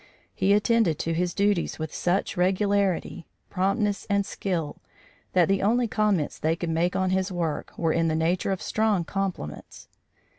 He attended to his duties with such regularity, promptness and skill that the only comments they could make on his work were in the nature of strong compliments.